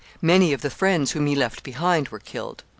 Many of the friends whom he left behind him were killed.